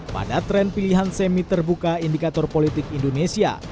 pada tren pilihan semi terbuka indikator politik indonesia